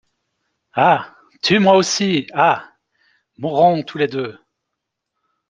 Ah ! tue-moi aussi, ah ! mourons tous les deux !